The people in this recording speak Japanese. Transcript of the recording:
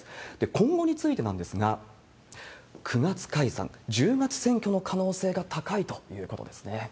今後についてなんですが、９月解散、１０月選挙の可能性が高いということなんですね。